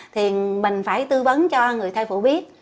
thì mình phải tư vấn cho người thai phụ biết